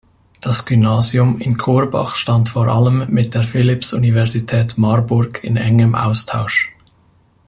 Das Gymnasium in Korbach stand vor allem mit der Philipps-Universität Marburg in engem Austausch.